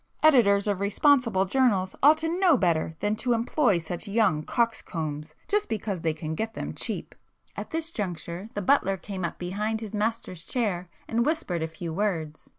Editors of responsible journals ought to know better than to employ such young coxcombs just because they can get them cheap——" [p 144]At this juncture the butler came up behind his master's chair and whispered a few words.